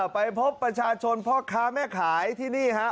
ไปพบประชาชนพ่อค้าแม่ขายที่นี่ฮะ